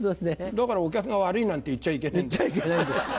だからお客が悪いなんて言っちゃいけねえんだよ。